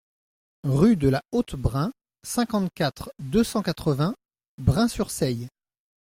Rue de la Haute-Brin, cinquante-quatre, deux cent quatre-vingts Brin-sur-Seille